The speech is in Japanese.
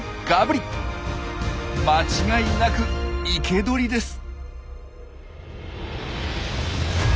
間違いなく生け捕りです。